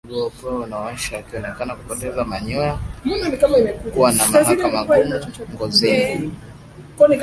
Mbuzi anayeugua upele unaowasha akionekana kupoteza manyoya kuwa na mabaka magumu ngozini